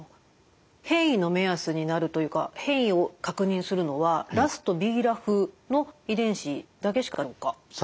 変異の目安になるというか変異を確認するのはＲＡＳとＢＲＡＦの遺伝子だけしかないんでしょうか？